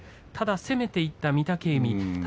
ただ攻めていった御嶽海。